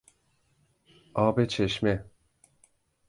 آب چشمه